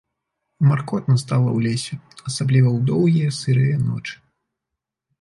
Маркотна стала ў лесе, асабліва ў доўгія сырыя ночы.